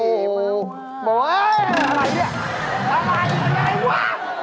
โอ๊ยอะไรนี่อะไรวะ